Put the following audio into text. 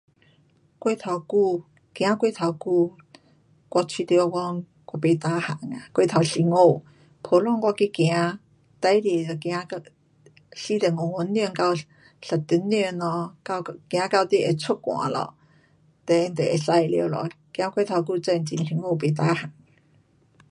过头久，走过头久，我觉得讲我不 tahan 啊，过头辛苦。普通我去走，最多就走到四十五分钟到一点钟咯。走到你会出汗了，就可以了。走过头久真很辛苦，不 tahan.